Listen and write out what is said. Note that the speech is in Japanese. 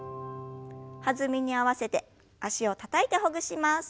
弾みに合わせて脚をたたいてほぐします。